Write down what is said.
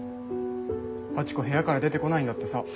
ハチ子部屋から出て来ないんだってさ。